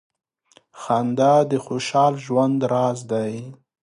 • خندا د خوشال ژوند راز دی.